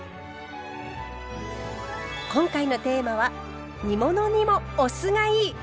今回のテーマは煮物にもお酢がいい！